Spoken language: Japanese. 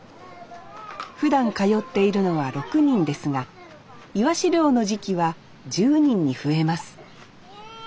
ふだん通っているのは６人ですがイワシ漁の時期は１０人に増えますねえ